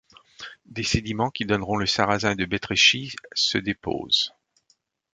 Des sédiments qui donneront le sarrasin de Bettrechies se déposent.